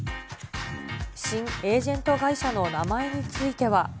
新エージェント会社の名前については。